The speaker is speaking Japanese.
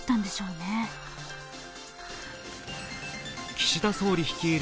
岸田総理率いる